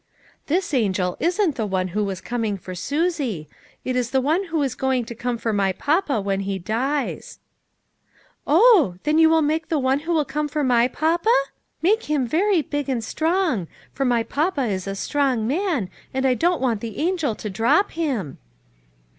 "This angel isn't the one who was coming for Susie ; it is the one who is going to come for my papa when he dies." " Oh ! then will you. make the one who will come for my papa? Make him very big and strong, for my papa is a strong man, and I don't want the angel to drop him."